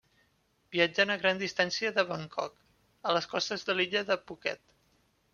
Viatgen a gran distància de Bangkok, a les costes de l'illa de Phuket.